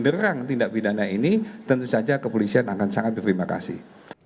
terang tindak pidana ini tentu saja kepolisian akan sangat berterima kasih